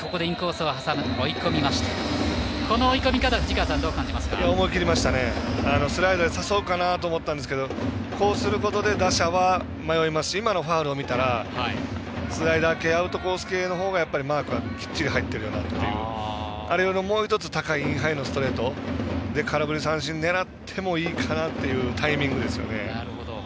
スライダーで誘うかなと思ったんですけれどもこうすることで打者は迷いますし今のファウルを見たらスライダーアウトコース系のほうがマークがきっちり入っているのともう１つ高いインハイのストレートで空振り三振をねらってもいいかなというタイミングですよね。